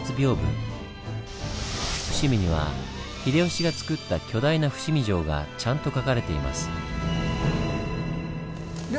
伏見には秀吉がつくった巨大な伏見城がちゃんと描かれています。